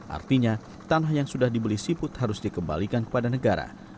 artinya tanah yang sudah dibeli siput harus dikembalikan kepada negara